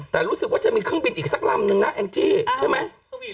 แต่รู้สึกว่าจะมีเครื่องบินอีกสักลำนึงนะแองจี้ใช่ไหม